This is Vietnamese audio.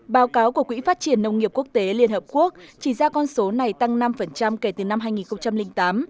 báo cáo của quỹ phát triển nông nghiệp quốc tế liên hợp quốc chỉ ra con số này tăng năm kể từ năm hai nghìn tám